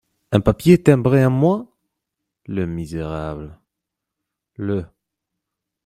Un papier timbré, à moi !… le misérable !… le…